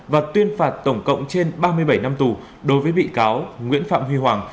và tuyên phạt tổng cộng trên ba mươi bảy năm tù đối với bị cáo nguyễn phạm huy hoàng